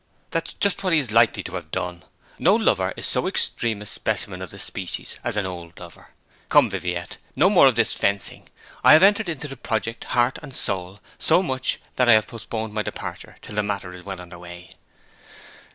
'That's just what he is likely to have done. No lover is so extreme a specimen of the species as an old lover. Come, Viviette, no more of this fencing. I have entered into the project heart and soul so much that I have postponed my departure till the matter is well under way.'